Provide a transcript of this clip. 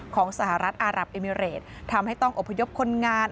ของสหรัฐอารับเอมิเรตทำให้ต้องอบพยพคนงาน